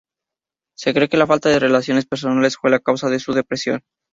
Se cree que la falta de relaciones personales fue la causa de su depresión.